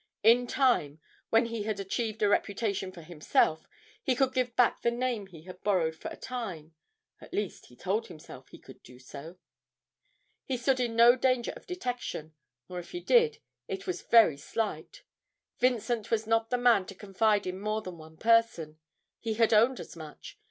In time, when he had achieved a reputation for himself, he could give back the name he had borrowed for a time at least he told himself he could do so. He stood in no danger of detection, or, if he did, it was very slight. Vincent was not the man to confide in more than one person; he had owned as much.